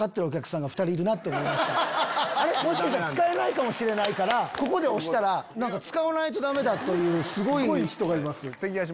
もしかしたら使えないかもしれないからここで押したら使わないとダメというすごい。